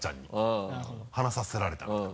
離させられたみたいな。